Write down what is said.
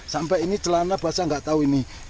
sampai ini celana bahasa nggak tahu ini